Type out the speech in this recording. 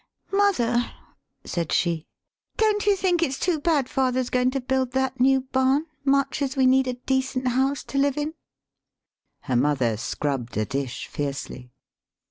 "Mother," said she, "don't you think it's too bad father's going to build that new barn, much as we need a decent house to live in?" Her mother scrubbed a dish fiercely.